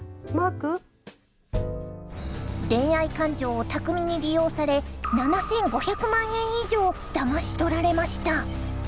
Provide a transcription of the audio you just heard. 恋愛感情を巧みに利用され７，５００万円以上をだまし取られました。